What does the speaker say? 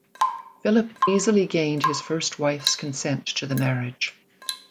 Philip easily gained his first wife's consent to the marriage.